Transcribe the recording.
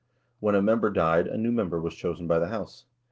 When a member died, a new mem ber was chosen by the house.